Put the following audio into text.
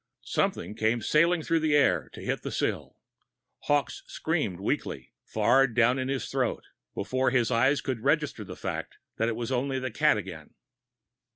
Something came sailing through the air to hit the sill. Hawkes screamed weakly, far down in his throat, before his eyes could register the fact that it was only the cat again.